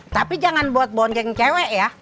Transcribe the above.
tapi jangan buat bonceng cewek ya